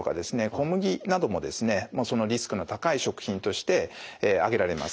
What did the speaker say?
小麦などもですねそのリスクの高い食品として挙げられます。